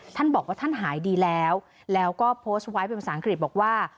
ท่านบอกว่าท่านหายดีแล้วแล้วก็โพสต์ไว้เป็นภาษาอังกฤษบอกว่า